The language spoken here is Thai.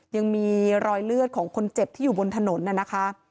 ยังมีรอยเลือดของคนเจ็บที่อยู่บนถนนน่ะนะคะ